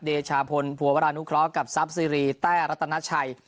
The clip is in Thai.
เดชาพลภัวรานุเคราะห์กับซับซีรีแต้รัตนาชัย